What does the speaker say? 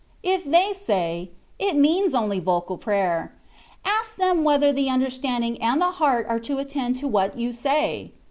If they say, " It means only vocal prayer,^' ask them whether the understanding and the heart are to attend to what you say